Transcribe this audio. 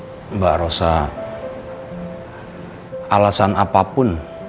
tidak lebih irfan mbak rosa alasan apapun